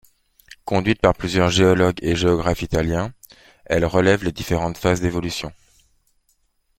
Conduites par plusieurs géologues et géographes italiens, elles relèvent les différentes phases d’évolution.